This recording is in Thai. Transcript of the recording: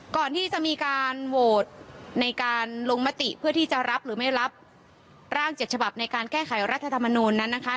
ก่อนที่จะมีการโหวตในการลงมติเพื่อที่จะรับหรือไม่รับร่าง๗ฉบับในการแก้ไขรัฐธรรมนูลนั้นนะคะ